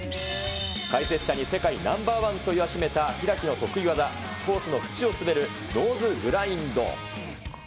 解説者に世界ナンバーワンと言わしめた開の得意技、コースの淵を滑るノーズグラインド。